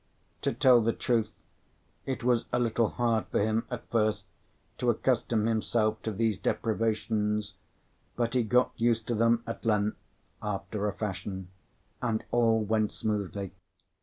To tell the truth, it was a little hard for him at first to accustom himself to these deprivations; but he got used to them at length, after a fashion, and all went smoothly.